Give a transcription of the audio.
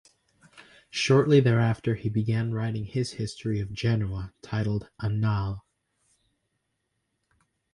Shortly thereafter he began writing his history of Genoa, titled "Annales".